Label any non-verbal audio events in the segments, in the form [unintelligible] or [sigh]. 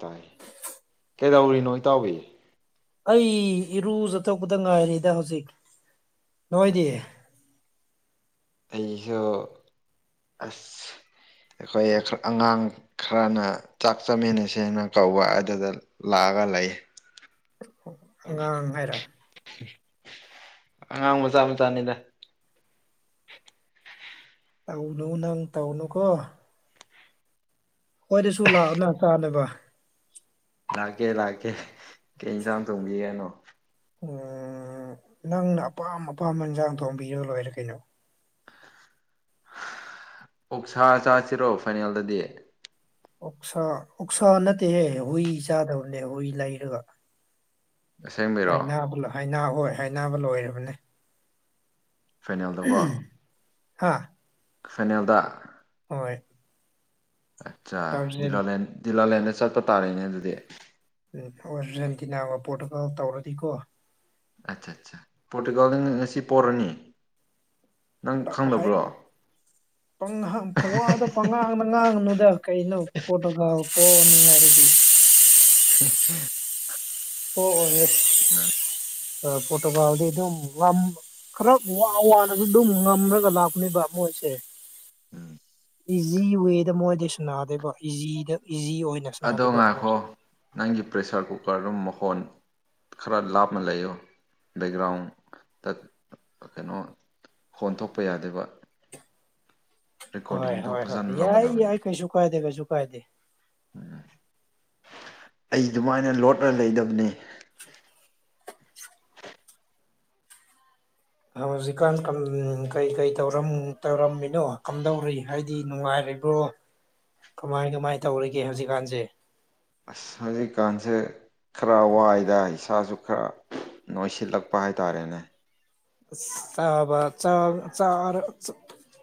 ꯇꯥꯏ ꯀꯩꯗꯧꯔꯤꯅꯣ ꯏꯇꯥꯎꯕꯤ ꯑꯩ ꯏꯔꯨꯖꯊꯣꯛꯄꯗ ꯉꯥꯏꯔꯤꯗ ꯍꯧꯖꯤꯛ ꯉꯥꯏꯗꯤ ꯑꯩꯁꯨꯁꯨ ꯑꯁ ꯑꯩꯈꯣꯏ ꯑꯉꯥꯡ ꯈꯔꯅ ꯆꯥꯛ ꯆꯥꯃꯤꯟꯅꯁꯦꯅ ꯀꯧꯕ ꯑꯗꯨꯗ ꯂꯥꯛꯑ ꯀ ꯂꯩ ꯑꯣ ꯑꯉꯥꯡ ꯍꯥꯏꯔ ꯑꯉꯥꯡ ꯃꯆꯥ ꯃꯆꯥꯅꯤꯗ ꯇꯥꯎꯅ ꯅꯪ ꯇꯥꯎꯅꯨ ꯀꯣ ꯍꯣꯏꯗꯁꯨ ꯂꯥꯛꯅ ꯀꯥꯅꯕ ꯂꯥꯛꯀꯦ ꯂꯥꯛꯀꯦ ꯀꯩ ꯏꯟꯁꯥꯡ ꯊꯣꯡꯕꯤ ꯀꯅꯣ ꯎꯝ ꯅꯪꯅ ꯑꯄꯥꯝ ꯑꯄꯥꯝꯕ ꯏꯟꯁꯥꯡ ꯊꯣꯡꯕꯤꯔꯒ ꯂꯣꯏꯔꯦ ꯀꯩꯅꯣ ꯑꯣꯛꯁꯥ ꯆꯥꯁꯤꯔꯣ ꯐꯥꯏꯅꯦꯜꯗꯗꯤ ꯑꯣꯛꯁꯥ ꯑꯣꯛꯁꯥ ꯅꯠꯇꯦꯍꯦ ꯍꯨꯏ ꯆꯥꯗꯕꯅꯦ ꯍꯨꯏ ꯂꯩꯔꯒ ꯑꯁꯦꯡꯕꯩꯔꯣ ꯍꯥꯏ ꯍꯥꯏ ꯍꯣꯏ ꯍꯥꯏꯕ ꯂꯣꯏꯔꯕꯅꯦ ꯐꯥꯏꯅꯦꯜꯗꯀꯣ ꯍꯥꯥ ꯈꯅꯦꯜꯗ ꯍꯣꯏ ꯑꯠꯆꯥ ꯑꯥꯔꯖꯦꯟ ꯗꯤꯂꯥꯂꯦꯟ ꯗꯤꯂꯥꯂꯦꯟꯗ ꯆꯠꯄ ꯇꯥꯔꯦꯅꯦ ꯑꯗꯨꯗꯤ ꯎꯝ ꯑꯔꯖꯦꯟꯇꯤꯅꯥꯒ ꯄꯣꯔꯇꯨꯒꯥꯜ ꯇꯧꯔꯗꯤꯀꯣ ꯑꯆꯥꯆꯥ ꯑꯆꯥ ꯄꯣꯇꯨꯀꯜ ꯉꯁꯤ ꯄꯣꯔꯅꯤ ꯅꯪ ꯍ ꯈꯪꯗꯕ꯭ꯔꯣ ꯄ ꯄꯗ ꯄꯉ ꯀꯩꯅ ꯄꯇ ꯀꯥꯅꯤꯡꯉ ꯍꯥꯏꯗꯤ ꯅꯪ ꯑꯣ ꯄꯣꯇꯣꯒꯜꯗ ꯑꯗꯨꯝꯝ ꯈꯔ ꯋꯥ ꯋꯥꯅꯁꯨ ꯑꯗꯨꯝ ꯉꯝꯔꯒꯅꯤ ꯃꯣꯏꯁꯦ ꯏꯖꯤ ꯋꯦꯗ ꯃꯣꯏꯗꯤ ꯁ ꯗꯦꯕ ꯏꯖꯤꯗ ꯏꯖꯤ ꯑꯣꯏꯅ ꯑꯗꯣ ꯁꯅꯥꯗꯕ ꯃꯣꯏꯁꯦ ꯉꯥꯏꯈꯣ ꯅꯪꯒꯤ ꯄ꯭ꯔꯦꯁꯔ ꯀꯨꯀꯔ ꯑꯗꯨꯝ ꯃꯈꯣꯟ ꯈꯔ ꯂꯥꯞꯅ ꯂꯩꯌꯣ ꯕꯦꯛꯒ꯭ꯔꯥꯎꯟꯗ ꯀꯩꯅꯣ ꯍꯣꯟ ꯊꯣꯛꯣꯛꯄ ꯌꯥꯗꯕ ꯍꯣꯏ ꯍꯣꯏ ꯍꯣꯏ ꯌꯥꯏ ꯂꯧꯒꯗꯕꯅꯤ ꯌꯥꯏ ꯀꯩꯁꯨ ꯀꯥꯏꯗꯦ ꯀꯩꯁꯨ ꯀꯥꯏꯗꯦ ꯑꯩ ꯑꯗꯨꯃꯥꯏꯅ ꯂꯣꯠꯂ ꯂꯩꯗꯕꯅꯤ [inaudible] ꯍꯧꯖꯤꯛꯀꯥꯟ ꯀꯩꯀꯩ ꯇꯧꯔꯝꯃꯤꯅꯣ ꯀꯝꯗꯧꯔꯤ ꯍꯥꯏꯗꯤ ꯅꯨꯡꯉꯥꯏꯔ ꯍꯥꯏꯔꯤꯕ꯭ꯔꯣ ꯀꯃꯥꯏ ꯀꯃꯥꯏ ꯇꯧꯔꯤꯒꯦ ꯍꯧꯖꯤꯛꯀꯥꯟꯁꯦ ꯑꯁ ꯍꯧꯖꯤꯛꯀꯥꯟꯁꯦ ꯈꯔ ꯋꯥꯏꯗ ꯏꯁꯥꯁꯨ ꯈꯔ ꯅꯣꯏꯁꯤꯜꯂꯛꯄ ꯍꯥꯏꯇꯥꯔꯦꯅꯦ ꯆꯥꯕ ꯆ ꯆꯔ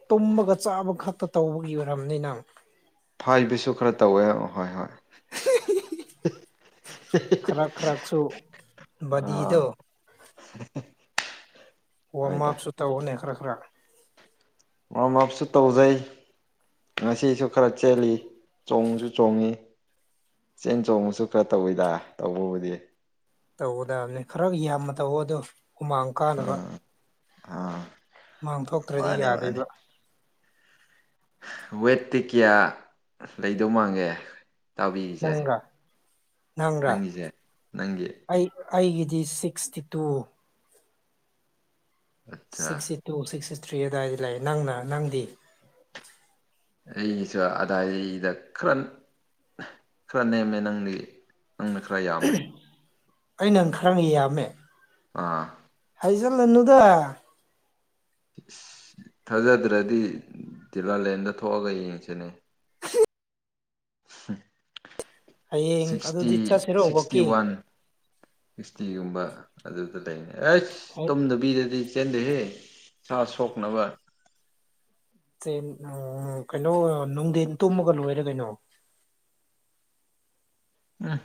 ꯇꯨꯝꯃꯒ ꯆꯥꯕ ꯈꯛꯇ ꯇꯧꯕꯒꯤ ꯑꯣꯏꯔꯝꯅꯤꯅꯪ ꯐꯥꯏꯕꯁꯨ ꯈꯔ ꯇꯧꯋꯦ ꯍꯣꯏ ꯍꯣꯏ [unintelligible] ꯍꯝ ꯈꯔ ꯈꯔꯛꯁꯨ ꯑꯥ ꯕꯗꯤꯗꯣ ꯋꯥꯔꯝ ꯍꯣꯏꯗ ꯑꯞꯁꯨ ꯇꯧꯅꯦ ꯈꯔ ꯈꯔ ꯋꯥꯔꯝ ꯑꯞꯁꯨ ꯇꯧꯖꯩ ꯉꯁꯤꯁꯨ ꯈꯔ ꯆꯦꯜꯂꯤ ꯆꯣꯡꯁꯨ ꯆꯣꯡꯉꯤ ꯆꯦꯟ ꯆꯣꯡꯕꯁꯨ ꯈꯔ ꯇꯧꯋꯤꯗ ꯇꯧꯕꯕꯨꯗꯤ ꯇꯧꯒꯗꯕꯅꯤ ꯈꯔ ꯌꯥꯝꯅ ꯇꯧꯑꯣꯗꯣ ꯍꯨꯃꯥꯡ ꯀꯥꯅꯕ ꯑꯥ ꯑꯥ ꯃꯥꯡꯊꯣꯛꯇ꯭ꯔꯗꯤ ꯃꯥꯅꯦ ꯃꯥꯅꯦ ꯌꯥꯗꯦꯕ ꯋꯦꯠꯇꯤ ꯀꯌꯥ ꯂꯩꯗꯧ ꯃꯥꯡꯒꯦ ꯇꯥꯕꯤꯔꯤꯁꯦ ꯅꯪꯔꯥ ꯅꯪꯔꯥ ꯅꯪꯒꯤꯁꯦ ꯅꯪꯒꯤ ꯑꯩ ꯑꯩꯒꯤꯗꯤ ꯁꯤꯛꯁꯇꯤ ꯇꯨ ꯑꯠꯆꯥ ꯁꯤꯛꯁꯇꯤ ꯇꯨ ꯁꯤꯛꯁꯇꯤ ꯊ꯭ꯔꯤ ꯑꯗꯨꯋꯥꯏꯗꯤ ꯂꯩ ꯅꯪꯅ ꯅꯪꯗꯤ ꯑꯩꯒꯤꯁꯨ ꯑꯗꯥꯏꯗꯗ ꯈꯔ ꯈꯔ ꯅꯦꯝꯃꯦ ꯅꯪꯗꯤ ꯅꯪꯅ ꯈꯔ ꯌꯥꯝꯃꯦ ꯑꯩꯅꯪ ꯈꯔ ꯌꯥꯝꯃꯦ ꯑꯥ ꯄꯁꯟ ꯂꯨꯗ ꯊꯥꯖꯗ꯭ꯔꯗꯤ ꯤꯂꯥꯂꯦꯟꯗ ꯊꯣꯛꯑꯒ ꯌꯦꯡꯁꯤꯅꯦ ꯎ ꯍꯌꯦꯡ ꯁꯤꯛꯁꯇꯤ ꯑꯗꯨꯗꯤ ꯆꯠꯁꯤꯔꯣ ꯁꯤꯛꯁꯇꯤ ꯋꯥꯛꯀꯤꯡ ꯋꯥꯟ ꯁꯤꯛꯁꯇꯤꯒꯨꯝꯕ ꯑꯗꯨꯗ ꯂꯩꯅꯤ ꯑꯩꯁ ꯇꯨꯝꯗꯕꯤꯗꯗꯤ ꯆꯦꯟꯗꯍꯦ ꯁꯥ ꯁꯣꯛꯅꯕ ꯁꯦ ꯎ ꯀꯩꯅꯣ ꯅꯨꯡꯊꯤꯟ ꯇꯨꯝꯃꯒ ꯂꯣꯏꯔꯦ ꯀꯩꯅꯣ ꯎꯝ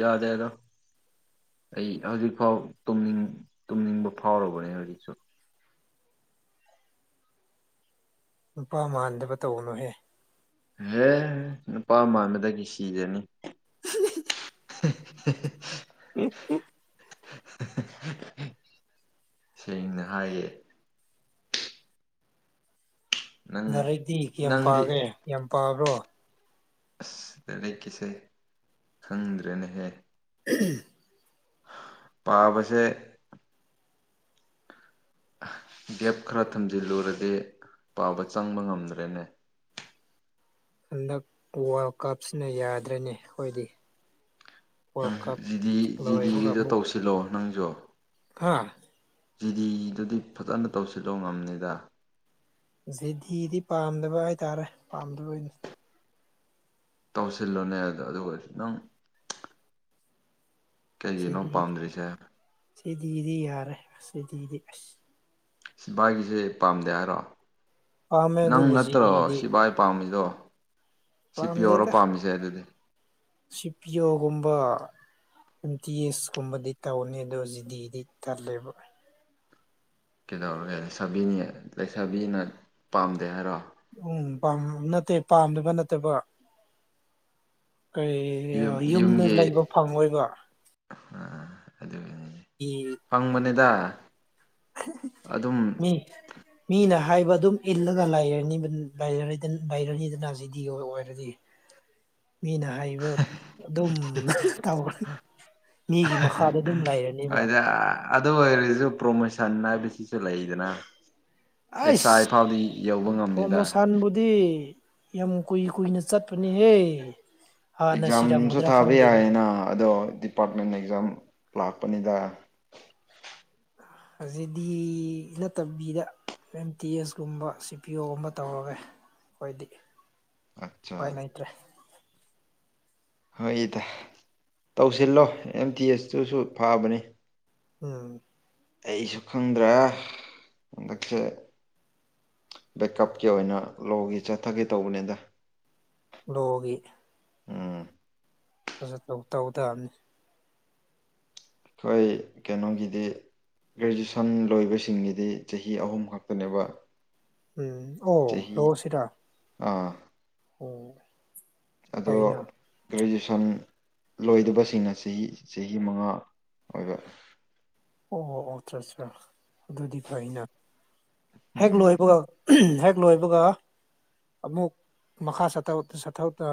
ꯌꯥꯗ ꯌꯥꯗꯣ ꯑꯩ ꯍꯧꯖꯤꯛ ꯐꯥꯎꯅꯤꯡ ꯇꯨꯝꯅꯤꯡꯕ ꯐꯥꯎꯔꯕꯅꯦ ꯍꯧꯖꯤꯛꯁꯨ ꯅꯨꯄꯥ ꯃꯥꯟꯗꯕ ꯇꯧꯅꯨꯍꯦ ꯑꯦꯦ ꯅꯨꯄꯥ ꯃꯥꯟꯕꯗꯒꯤ ꯁꯤꯖꯅꯤ [inaudible] ꯎꯝ ꯎꯝ ꯁꯦꯡꯅ ꯍꯥꯏꯌꯦ ꯅꯪ ꯔꯩꯗꯤ ꯀꯌꯥꯝ ꯅꯪꯗꯤ ꯄꯥꯒꯦ ꯌꯥꯝ ꯄꯥꯕ꯭ꯔꯣ ꯑꯁꯗ ꯂꯩꯀꯤꯁꯦ ꯈꯪꯗ꯭ꯔꯦꯅꯍꯦ [unintelligible] ꯄꯥꯕꯁꯦ ꯒꯦꯞ ꯈꯔ ꯊꯝꯖꯤꯜꯂꯨꯔꯗꯤ ꯄꯥꯕ ꯆꯪꯕ ꯉꯝꯗ꯭ꯔꯦꯅꯦ ꯍꯟꯗꯛ ꯋꯥꯔꯜ ꯀꯞꯁꯤꯅ ꯌꯥꯗ꯭ꯔꯅꯤ ꯑꯩꯈꯣꯏꯗꯤ ꯋꯥꯔꯜ ꯅꯪ ꯀꯞ ꯖꯤꯗꯤ ꯖꯤꯗꯤꯒꯤꯗꯣ ꯇꯧꯁꯤꯜꯂꯣ ꯅꯪꯁꯨ ꯍꯥꯥ ꯖꯤꯗꯤꯗꯨꯗꯤ ꯐꯖꯅ ꯇꯧꯁꯤꯜꯂꯣ ꯉꯝꯅꯤꯗ ꯦꯙꯤꯗꯤ ꯄꯥꯝꯗꯕ ꯍꯥꯏꯇꯥꯔꯦ ꯄꯥꯝꯗꯕꯅꯤ ꯇꯧꯁꯤꯜꯂꯨꯅꯦ ꯑꯗ ꯑꯗꯨꯒ ꯈꯤꯇꯪ ꯀꯩꯒꯤꯅꯣ ꯄꯥꯝꯗ꯭ꯔꯤꯁꯦ ꯗꯤ ꯌꯔꯦ ꯑꯁꯤꯁꯗꯤ ꯑ ꯁꯤꯐꯏꯒꯤꯁꯦ ꯄꯥꯝꯗꯦ ꯍꯥꯏꯔꯣ ꯄꯥꯝꯃꯦ ꯅꯪ ꯑꯗꯨꯕꯨ ꯅꯠꯇ꯭ꯔꯣ ꯖꯤꯗꯤꯗꯤ ꯁꯤꯐꯏ ꯄꯥꯝꯃꯤꯗꯣ ꯁꯤ ꯄꯤ ꯌꯧꯔ ꯄꯥꯝꯃꯤꯁꯦ ꯑꯗꯨꯗꯤ ꯁꯤꯞꯌꯣꯒꯨꯝꯕ ꯑꯦꯝ ꯇꯤ ꯑꯦꯁ ꯀꯨꯝꯕꯗꯤ ꯇꯧꯅꯤ ꯑꯗꯣ ꯖꯤꯗꯤꯗꯤ ꯇꯜꯂꯦꯕ ꯀꯩꯗꯧꯔꯒꯦ ꯂꯩꯁꯥꯕꯤꯅꯤ ꯂꯩꯁꯥꯕꯤꯅ ꯄꯥꯝꯗꯦ ꯍꯥꯏꯔꯣ ꯎꯝꯥ ꯅꯠꯇꯦ ꯄꯥꯝꯗꯕ ꯅꯠꯇꯕ ꯀꯩ ꯌꯨꯝ ꯌꯨꯝꯗ ꯌꯨꯝꯒꯤ ꯂꯩꯕ ꯐꯪꯉꯣꯏꯕ ꯑꯗꯨ ꯏ ꯐꯪꯕꯅꯤꯗ ꯑꯗꯨꯝ ꯃꯤ ꯃꯤꯅ ꯍꯥꯏꯕ ꯑꯗꯨꯝ ꯏꯜꯂꯒꯅꯤ ꯂꯩꯔꯅꯤꯗꯅ ꯑꯁꯤꯗꯤ ꯑꯣꯏꯔꯗꯤ ꯃꯤꯅ ꯍꯥꯏꯕ ꯑꯗꯨꯝ ꯇꯈ꯭ꯔꯦ ꯃꯤꯒꯤ ꯃꯈꯥꯗ ꯑꯗꯨꯝ ꯂꯩꯔꯅꯦꯕ ꯁꯨ ꯄ꯭ꯔꯣꯃꯣꯏꯁꯟꯅ ꯁꯤꯁꯨ ꯂꯩꯗꯅ ꯑꯦꯁ ꯑꯥꯏ ꯑꯁ ꯐꯥꯎꯗꯤ ꯌꯧꯕ ꯉꯝꯅꯤꯗ ꯄ꯭ꯔꯃꯣꯁꯥꯟꯕꯨꯗꯤ ꯌꯥꯝ ꯀꯨꯏ ꯀꯨꯏꯅ ꯆꯠꯄꯅꯦꯍꯦ ꯍꯥꯟꯅ ꯑꯦꯛꯖꯥꯝꯁꯨ ꯁꯤꯔꯝꯒꯗ꯭ꯔꯥ ꯊꯥꯕ ꯈꯪꯗꯦꯅꯦ ꯌꯥꯏꯌꯦꯅ ꯑꯗꯣ ꯗꯤꯄꯥꯔꯠꯃꯦꯟ ꯑꯦꯛꯖꯥꯝ ꯂꯥꯛꯄꯅꯤꯗ ꯍꯧꯖꯤꯗꯤ ꯅꯠꯇꯕꯤꯗ ꯑꯦꯝ ꯇꯤ ꯑꯦꯁ ꯀꯨꯝꯕ ꯁꯤ ꯄꯤ ꯑꯣꯒꯨꯝꯕ ꯇꯧꯔꯒꯦ ꯑꯩꯈꯣꯏꯗꯤ ꯑꯠꯆꯥ ꯍꯣꯏ ꯂꯩꯇ꯭ꯔꯦ ꯍꯪꯉꯏꯗ ꯇꯧꯁꯤꯜꯂꯣ ꯑꯦꯝ ꯇꯤ ꯑꯦꯁꯇꯨꯁꯨ ꯐꯥꯕꯅꯤ ꯎꯝ ꯑꯩꯁꯨ ꯈꯪꯗ꯭ꯔꯦ ꯍꯟꯗꯛꯁꯦ ꯕꯦꯛꯀꯞꯀꯤ ꯑꯣꯏꯅ ꯂꯣꯒꯤ ꯆꯠꯊꯒꯦ ꯇꯧꯕꯅꯤꯗ ꯂꯒꯤ ꯎꯝ ꯐꯖ ꯇꯧ ꯇꯥꯕꯅꯤ ꯑꯩꯈꯣꯏ ꯀꯩꯅꯣꯒꯤꯗꯤ ꯒ꯭ꯔꯦꯖꯨꯑꯦꯁꯟ ꯂꯣꯏꯕꯁꯤꯡꯒꯤꯗꯤ ꯆꯍꯤ ꯑꯍꯨꯝ ꯈꯛꯇꯅꯦꯕ ꯎꯝ ꯑꯣ ꯆꯍꯤ ꯂ ꯁꯤꯗ ꯑꯥ ꯍꯣꯏ ꯑꯗꯣ ꯒ꯭ꯔꯦꯖꯁꯟ ꯁꯟ ꯂꯣꯏꯗꯕꯁꯤꯡꯅ ꯆꯍꯤ ꯆꯍꯤ ꯃꯉꯥ ꯑꯣꯏꯕ ꯑꯣ ꯑꯣ ꯑꯣ ꯑ ꯑꯠ ꯑꯗꯨꯗꯤ ꯐꯅ ꯍꯦꯛ ꯎꯝ ꯂꯣꯏꯕꯒ ꯍꯦꯛ ꯂꯣꯏꯕꯒ ꯑꯃꯨꯛ ꯃꯈꯥ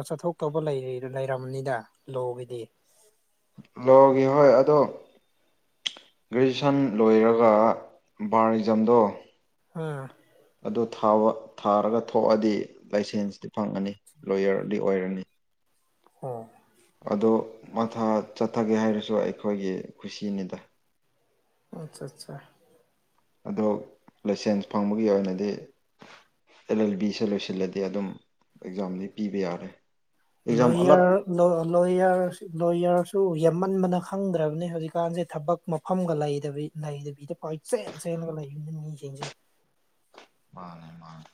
ꯆꯠꯊꯣꯛꯇꯧꯕ ꯂꯩꯔꯅꯤꯗ ꯂꯣꯒꯤꯗꯤ ꯂꯣꯒꯤ ꯍꯣꯏ ꯑꯗꯣ ꯒ꯭ꯔꯦꯖꯨꯑꯌꯦꯁꯟ ꯂꯣꯏꯔꯒ ꯕꯥꯔ ꯑꯦꯛꯖꯥꯝꯗꯣ ꯎꯝ ꯑꯗꯨ ꯊꯥꯔꯒ ꯊꯣꯛꯑꯗꯤ ꯂꯥꯏꯁꯦꯟꯁꯇꯤ ꯐꯪꯉꯅꯤ ꯂꯣꯌꯔꯗꯤ ꯑꯣꯏꯔꯅꯤ ꯑ ꯑꯗꯨ ꯃꯊꯥ ꯆꯠꯊꯒꯦ ꯍꯥꯏꯔꯁꯨ ꯑꯩꯈꯣꯏꯒꯤ ꯈꯨꯁꯤꯅꯤꯗ ꯑꯆꯥ ꯑꯆꯥ ꯑ ꯂꯥꯏꯁꯦꯟꯁ ꯐꯪꯕꯒꯤ ꯑꯣꯏꯅꯗꯤ ꯑꯦꯜ ꯑꯦꯜ ꯕꯤꯁꯦ ꯂꯣꯏꯁꯤꯜꯂꯗꯤ ꯑꯗꯨꯝ ꯑꯦꯛꯖꯥꯝꯗꯤ ꯄꯤꯕ ꯌꯥꯔꯦ ꯑꯦꯛꯖꯥꯝ ꯂꯔ ꯑꯂꯛ ꯂ ꯂꯣꯌꯣꯌꯔ ꯂꯣꯌꯔꯁꯨ ꯌꯥꯝꯃꯟꯕꯅ ꯈꯪꯗ꯭ꯔꯕꯅꯤ ꯍꯧꯖꯤꯛꯀꯥꯟꯁꯦ ꯊꯕꯛ ꯃꯐꯝꯒ ꯂꯩꯗꯕꯤ ꯂꯩꯗꯦꯦꯒ ꯂꯩ ꯃꯤ ꯀꯖꯦ ꯃꯥꯅꯦ ꯃꯥꯅꯦ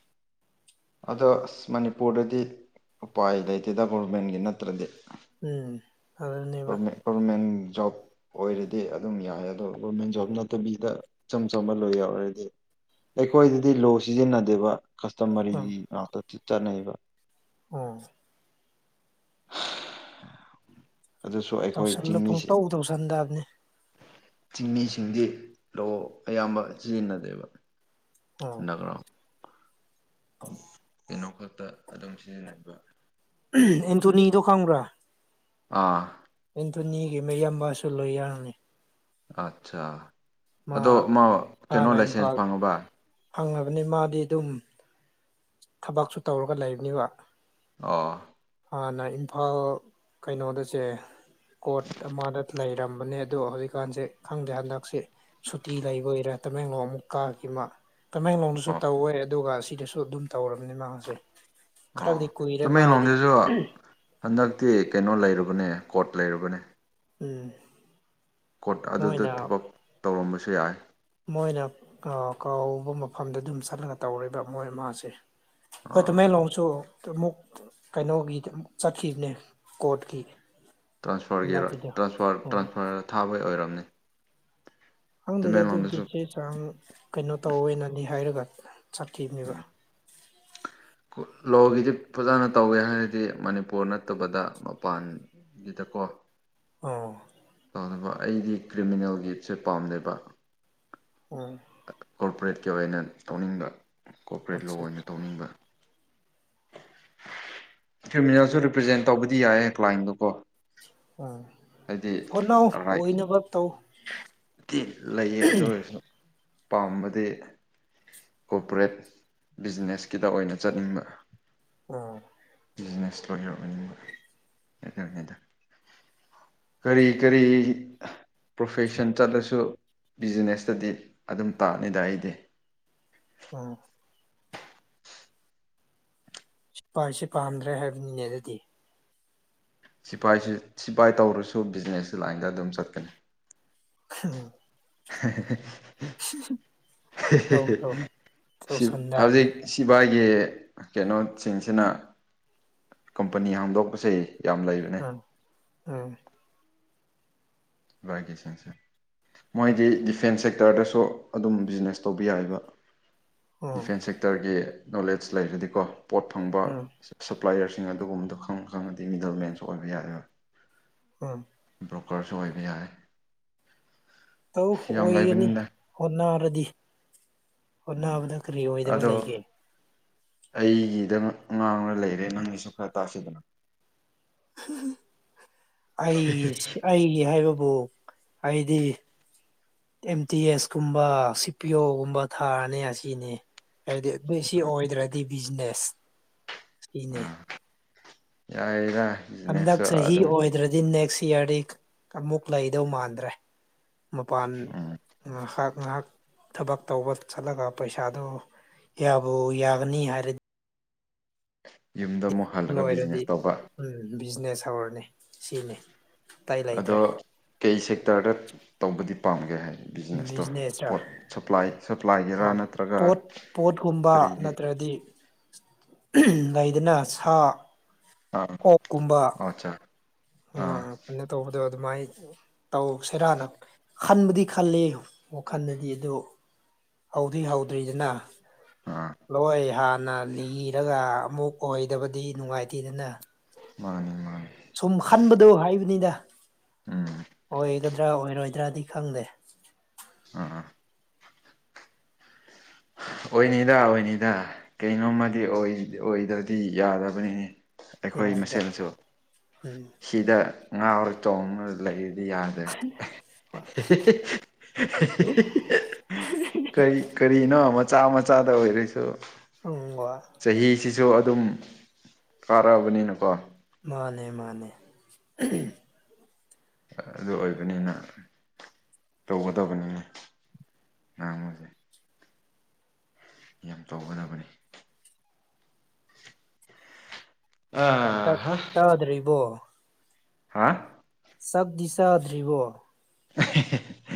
ꯑꯗꯣ ꯑꯁ ꯃꯅꯤꯄꯨꯔꯗꯗꯤ ꯎꯄꯥꯏ ꯂꯩꯇꯦꯗ ꯒꯣꯔꯃꯦꯟꯒꯤ ꯅꯠꯇ꯭ꯔꯗꯤ ꯎꯝ ꯑꯗꯨꯅꯦꯕ ꯃ ꯐꯔꯃꯦꯟ ꯖꯣꯕ ꯑꯣꯏꯔꯗꯤ ꯑꯗꯨꯝ ꯌꯥꯏ ꯑꯗꯣ ꯒꯣꯔꯃꯦꯟ ꯖꯣꯕ ꯅꯠꯇꯕꯤꯗ ꯏꯆꯝ ꯆꯝꯕ ꯂꯣꯏ ꯌꯥꯎꯔꯔꯗꯤ ꯑꯩꯈꯣꯏꯗꯗꯤ ꯂꯣ ꯁꯤꯖꯤꯟꯅꯗꯦꯕ ꯀꯁꯇꯃꯔꯤꯒꯤ ꯉꯥꯛꯇ ꯆꯠꯅꯩꯕ ꯑꯝ [inaudible] ꯑꯗꯨꯁꯨ ꯑꯩꯈꯣꯏ ꯇꯧꯁꯜꯂ ꯆꯤꯡꯃꯤꯁꯤ ꯄꯨꯡꯇꯧ ꯇꯧꯁꯟꯗꯕꯅꯦ ꯆꯤꯡꯃꯤꯁꯤꯡꯗꯤ ꯂꯑꯣ ꯑꯌꯥꯝꯕ ꯁꯤꯖꯤꯟꯅꯗꯦꯕ ꯑꯣ ꯅꯅꯥꯒ꯭ꯔꯥ ꯀꯩꯅꯣ ꯈꯛꯇ ꯑꯗꯨꯝ ꯁꯤꯖꯤꯟꯅꯕ ꯑꯗꯨꯒꯤꯗꯤ ꯑꯦꯟꯇꯣꯅꯤ ꯗ ꯈꯥꯟꯕ꯭ꯔꯥ ꯑꯥ ꯑꯦꯟꯇꯣꯅꯤꯒꯤ ꯃꯌꯥꯝꯕꯁꯨ ꯂꯣꯏ ꯌꯥꯔꯝꯃꯤ ꯑꯠꯆꯥ ꯑꯗꯣ ꯑꯃ ꯀꯩꯅꯣ ꯍꯥꯟꯅ ꯂꯥꯏꯁꯦꯟꯁ ꯏꯝꯐꯥꯜ ꯐꯪꯉꯕ ꯐꯪꯉꯕꯅꯤ ꯃꯥꯗꯤ ꯑꯗꯨꯝ ꯊꯕꯛꯁꯨ ꯇꯧꯔꯒ ꯂꯩꯕꯅꯦꯕ ꯑꯣ ꯍꯥꯟꯅ ꯏꯝꯐꯥꯜ ꯀꯩꯅꯣꯗꯁꯦ ꯀꯣꯔꯠ ꯑꯃꯗ ꯂꯩꯔꯝꯕꯅꯦ ꯑꯗꯣ ꯍꯧꯖꯤꯛꯀꯥꯟꯁꯦ ꯈꯪꯗꯦ ꯍꯟꯗꯛꯁꯦ ꯁꯨꯇꯤ ꯂꯩꯈ ꯑꯣꯏꯔ ꯇꯃꯦꯡꯂꯣꯡ ꯑꯃꯨ ꯀꯥꯈꯤꯕꯃ ꯀꯃꯦꯡꯂꯣꯡꯗꯁꯨ ꯑꯣ ꯇꯧꯋꯦ ꯑꯗꯨꯒ ꯑꯁꯤꯗꯁꯨ ꯑꯗꯨꯝ ꯇꯧꯔꯕꯅꯤ ꯃꯥꯁꯦ ꯑꯣ ꯈꯔꯗꯤ ꯀꯨꯏꯔꯦ ꯃꯥꯒꯤꯗꯤ ꯇꯃꯦꯡꯂꯣꯝꯗꯁꯨ ꯍꯟꯗꯛꯇꯤ ꯀꯩꯅꯣ ꯂꯩꯔꯨꯕꯅꯦ ꯀꯣꯠ ꯂꯩꯔꯨꯕꯅꯦ ꯑꯦ ꯀꯣꯔꯠ ꯑꯗꯨꯗ ꯊꯕꯛ ꯇꯧꯔꯝꯕꯁꯨ ꯌꯥꯏ ꯃꯣꯏꯅ ꯀꯕ ꯃꯐꯝꯗ ꯑꯗꯨꯝ ꯆꯠꯂꯒ ꯇꯧꯔꯦꯕ ꯃꯣꯏ ꯃꯥꯥꯁꯦ ꯍꯣꯏ ꯑꯥ ꯇꯃꯦ ꯂ ꯆꯣ ꯑꯃꯨꯛ ꯀꯩꯅꯣꯒꯤꯗ ꯑꯃꯨꯛ ꯆꯠꯈꯤꯕꯅꯦ ꯀꯣꯔꯠꯀꯤ ꯇ꯭ꯔꯥꯟꯁꯐꯔꯒꯤ ꯍꯟꯗꯛꯀꯤꯗꯣ ꯎꯝ ꯇ꯭ꯔꯥꯟꯁꯐꯔ ꯊꯥꯕꯩ ꯑꯣꯏꯔꯝꯅꯤ ꯍꯪꯗ ꯑꯗꯨ ꯎꯗꯤꯦ ꯇꯃꯦꯡꯂꯣꯡꯗꯁꯨ ꯀꯩꯅꯣ ꯇꯧꯅꯅꯤ ꯍꯥꯏꯔꯒ ꯆꯠꯈꯤꯕꯅꯦꯕ ꯎꯝ ꯂꯣꯒꯤꯗꯤ ꯐꯖꯅ ꯇꯧꯋꯦ ꯍꯥꯏꯔꯗꯤ ꯃꯅꯤꯄꯨꯔ ꯅꯠꯇꯕꯗ ꯃꯄꯥꯟ ꯒꯤꯗꯀꯣ ꯑ [unintelligible] [inaudible] ꯑꯗꯨ ꯑꯩꯗꯤ ꯀ꯭ꯔꯤꯃꯤꯅꯦꯜ ꯒꯤꯞꯁꯦ ꯄꯥꯝꯗꯕ ꯎꯝ [inaudible] ꯀꯣꯔꯄꯔꯦꯠꯀꯤ ꯑꯣꯏꯅ ꯇꯧꯅꯤꯡꯕ ꯀꯣꯔꯄꯔꯦꯠ ꯑꯠꯆꯥ ꯂꯣ ꯑꯣꯏꯅ ꯑꯠꯆꯥ ꯇꯧꯅꯤꯡꯕ ꯀ꯭ꯔꯤꯃꯤꯅꯦꯜꯁꯨ ꯔꯤꯄ꯭ꯔꯖꯦꯟ ꯇꯧꯕꯗꯤ ꯌꯥꯏꯌꯦ ꯀ꯭ꯂꯥꯏꯟꯗꯨꯀꯣ ꯍꯥꯏꯗꯤ ꯈꯣꯅꯥꯎ ꯑꯣꯏꯅꯕ ꯇꯧ ꯤ ꯂꯩꯌꯦ ꯑꯗꯨ ꯑꯣꯏꯔꯁꯨ ꯄꯥꯝꯕꯗꯤ ꯀꯣꯑꯣꯄꯔꯦꯠ ꯕꯤꯖꯤꯅꯦꯁꯀꯤꯇ ꯑꯣꯏꯅ ꯆꯠꯅꯤꯡꯕ ꯑꯥ [inaudible] [unintelligible] ꯕꯤꯖꯤꯅꯦꯁꯇ ꯑꯣꯏꯒꯦꯔꯛ ꯑꯣꯏꯅꯤꯡꯕ ꯍꯥꯏꯇꯥꯔꯉꯗ ꯀꯔꯤ ꯀꯔꯤ ꯄ꯭ꯔꯣꯐꯦꯁꯟ ꯆꯠꯂꯁꯨ ꯕꯤꯖꯤꯅꯦꯁꯇꯗꯤ ꯑꯗꯨꯝ ꯇꯥꯅꯤꯗ ꯑꯩꯗꯤ ꯎꯝ [inaudible] [unintelligible] ꯁꯤꯄꯥꯏꯁꯦ ꯄꯥꯝꯗ꯭ꯔꯦ ꯍꯥꯏꯕꯅꯤꯅꯦ ꯑꯗꯨꯗꯤ ꯁꯤꯐꯥꯏꯁꯤ ꯁꯤꯐꯥꯏ ꯇꯧꯔꯁꯨ ꯕꯤꯖꯤꯅꯦꯁꯀꯤ ꯂꯥꯏꯟꯗ ꯑꯗꯨꯝ ꯆꯠꯀꯅꯤ ꯎꯝ [inaudible] [unintelligible] ꯇꯧ ꯇꯧ [unintelligible] [inaudible] ꯇꯧꯁꯟꯗꯕꯅꯤ ꯍꯧꯖꯤꯛ ꯁꯤꯕꯥꯏ ꯑꯩꯒꯤ ꯀꯩꯅꯣꯁꯤꯡꯁꯤꯅ ꯀꯝꯄꯅꯤ ꯍꯥꯝꯗꯣꯛꯄꯁꯦ ꯑꯥ ꯑ [unintelligible] [inaudible] ꯔꯒꯦꯁꯁꯦ [inaudible] ꯃꯣꯏꯗꯤ ꯗꯤꯐꯦꯟꯁ ꯁꯦꯛꯇꯔꯗꯁꯨ ꯑꯗꯨꯝ ꯕꯤꯖꯤꯅꯦꯁ ꯇꯧꯕ ꯌꯥꯏꯕ ꯎꯝ ꯗꯤꯐꯦꯟꯁ ꯁꯦꯛꯇꯔꯒꯤ ꯅꯣꯂꯦꯖ ꯂꯩꯔꯗꯤꯀꯣ ꯄꯣꯠ ꯐꯪꯕ ꯎꯝ ꯄ꯭ꯂꯥꯏꯌꯔꯁꯤꯡ ꯑꯗꯨꯒꯨꯝꯕꯗꯣ ꯈꯪ ꯈꯪꯉꯗꯤ ꯃꯤꯗꯜ ꯃꯦꯟꯁꯨ ꯑꯣꯏꯕ ꯌꯥꯔꯣꯏ ꯎꯝ [inaudible] ꯕ꯭ꯔꯣꯀꯔꯁꯨ ꯑꯣꯏꯕ ꯌꯥꯏ ꯇꯧ ꯌꯥꯝ ꯑꯣꯏꯒꯅꯤ ꯂꯩꯕꯅꯤꯅ ꯍꯣꯠꯅꯔꯗꯤ ꯎꯝ ꯍꯣꯠꯅꯕꯗ ꯀꯔꯤ ꯑꯣꯏꯗꯕ ꯑꯗꯣ ꯂꯩꯒꯦ ꯑꯩꯒꯤꯗ ꯉꯥꯡꯅ ꯂꯩꯔꯦ ꯅꯪꯒꯤꯁꯨ ꯈꯔ ꯇꯥꯛꯁꯤꯗꯅ ꯑꯩꯒꯤ ꯑꯩꯒꯤ ꯍꯥꯏꯕ ꯑꯩꯗꯤ ꯑꯦꯝ ꯇꯤ ꯑꯦꯁ ꯀꯨꯝꯕ ꯁꯤ ꯄꯤ ꯑꯣꯒꯨꯝꯕ ꯊꯥꯔꯅꯤ ꯑꯁꯤꯅꯤ ꯍꯥꯏꯗꯤ ꯑꯗꯨ ꯁꯤ ꯑꯥ ꯑꯣꯏꯗ꯭ꯔꯗꯤ ꯕꯤꯖꯤꯅꯦꯁ ꯁꯤꯅꯦ ꯌꯥꯏꯔ [inaudible] ꯍꯟꯗꯛ ꯆꯍꯤ ꯑꯣꯏꯗ꯭ꯔꯗꯤ ꯅꯦꯛꯁ ꯏꯌꯥꯔꯗꯤ ꯑꯃꯨꯛ ꯂꯩꯗꯧ ꯃꯥꯟꯗ꯭ꯔꯦ ꯃꯄꯥꯟ ꯎꯝ ꯉꯥꯏꯍꯥꯛ ꯊꯕꯛ ꯇꯧꯕ ꯆꯠꯂꯒ ꯄꯩꯁꯥꯗꯨꯕꯨ ꯌꯥꯒꯅꯤ ꯍꯥꯏꯔꯗꯤ ꯌꯨꯝꯗ ꯑꯃꯨꯛ ꯍꯜꯂꯒ ꯂꯣꯏꯔꯗꯤ ꯕꯤꯖꯤꯅꯦꯁ ꯇꯧꯕ ꯎꯝ ꯕꯤꯖꯤꯅꯦꯁ ꯍꯧꯔꯅꯤ ꯁꯤꯅꯤ ꯑꯇꯩ ꯂꯩꯇ꯭ꯔꯦ ꯑꯗꯣ ꯀꯩ ꯁꯦꯛꯇꯔꯗ ꯇꯧꯕꯗꯤ ꯄꯥꯝꯒꯦ ꯍꯥꯏ ꯕꯤꯖꯤꯅꯦꯁꯇꯣ ꯕꯤꯖꯤꯅꯦꯁꯔ ꯄꯣꯠ ꯁꯄ꯭ꯂꯥꯏ ꯁꯄ꯭ꯂꯥꯏꯒꯤꯔꯥ ꯅꯠꯇ꯭ꯔꯒ ꯀꯔꯤꯒꯤ ꯍꯥꯏꯗꯤ ꯂꯩꯗꯅ ꯁꯥ ꯑꯥ ꯑꯆꯥ ꯎ [unintelligible] [inaudible] ꯑꯗ ꯑꯗꯨꯃꯥꯏꯅ ꯇꯧ ꯁꯦꯔꯥꯅ ꯈꯟꯕꯨꯗꯤ ꯈꯜꯜꯂꯤ ꯋꯥꯈꯜꯗꯗꯤ ꯑꯗꯨ ꯍꯧꯗ꯭ꯔꯤ ꯍꯧꯗ꯭ꯔꯤꯗꯅ ꯑꯥ ꯂꯣꯏ ꯍꯥꯟꯅ ꯂꯤꯔꯒ ꯑꯃꯨꯛ ꯑꯣꯏꯗꯕꯗꯤ ꯅꯨꯡꯉꯥꯏꯇꯦꯗꯅ ꯃꯥꯅꯦ ꯃꯥꯅꯦ ꯁꯨꯝ ꯈꯟꯕꯗꯣ ꯍꯥꯏꯕꯅꯤꯗ ꯎꯝ ꯆꯒꯗ꯭ꯔꯥ ꯑꯣꯏꯔꯣꯏꯗ꯭ꯔꯥꯗꯤ ꯈꯪꯗꯦ ꯑ ꯑ [inaudible] ꯑꯣꯏꯅꯤꯗ ꯑꯣꯏꯅꯤꯗ ꯀꯩꯅꯣꯝꯃꯗꯤ ꯑꯣꯏꯗꯕꯗꯤ ꯌꯥꯗꯕꯅꯤꯅꯤ ꯑꯩꯈꯣꯏ ꯌꯥꯗ꯭ꯔꯦ ꯃꯁꯦꯟꯁꯨ ꯎꯝ ꯁꯤꯗ ꯉꯥꯔ ꯆꯣꯡꯅ ꯂꯩ ꯗꯤ ꯌꯥꯗ꯭ꯔꯦ ꯀꯔꯤ ꯀꯔꯤ ꯀꯔꯤꯅꯣ ꯃꯆꯥ ꯃꯆꯥꯗ ꯑꯣꯏꯔꯁꯨ ꯎꯨꯡꯕ ꯁꯨ ꯑꯗꯨꯝ ꯀꯥꯔꯛꯑꯕꯅꯤꯅꯀꯣ ꯃꯥꯅꯦ ꯃꯥꯅꯦ ꯑꯗꯨ ꯑꯣꯏꯕꯅꯤꯅ ꯇꯧꯒꯗꯕꯅꯤꯅꯦ ꯑ ꯃꯖꯦ ꯌꯥꯝ ꯇꯧꯒꯅꯕꯅꯤ ꯆ ꯆꯗ꯭ꯔꯤꯔꯤꯕꯣ ꯍꯥ ꯆꯛꯗꯤ ꯆꯗ꯭ꯔꯤꯕꯣ [inaudible]